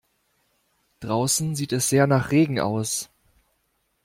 Draußen sieht es sehr nach Regen aus.